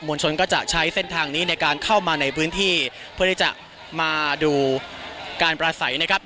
ลชนก็จะใช้เส้นทางนี้ในการเข้ามาในพื้นที่เพื่อที่จะมาดูการปราศัยนะครับ